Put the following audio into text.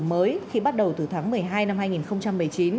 mới khi bắt đầu từ tháng một mươi hai năm